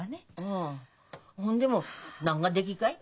ああほんでも何ができっかい？